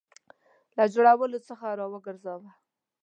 له جوړولو څخه را وګرځاوه.